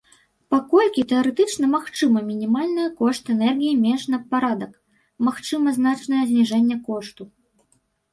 Паколькі тэарэтычна магчымы мінімальная кошт энергіі менш на парадак, магчыма значнае зніжэнне кошту.